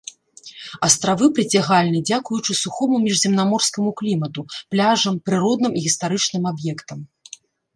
Астравы прыцягальны дзякуючы сухому міжземнаморскаму клімату, пляжам, прыродным і гістарычным аб'ектам.